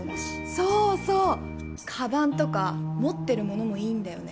そうそうカバンとか持ってる物もいいんだよね。